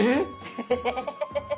エヘヘヘヘ。